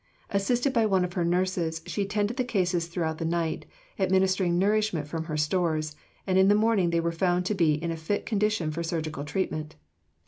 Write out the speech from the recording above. Assisted by one of her nurses, she tended the cases throughout the night, administering nourishment from her stores, and in the morning they were found to be in a fit condition for surgical treatment.